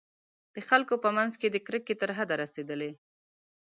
د خلکو په منځ کې د کرکې تر حده رسېدلي.